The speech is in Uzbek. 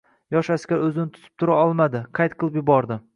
Yosh askar o`zini tutib tura olmadi qayt qilib yubordi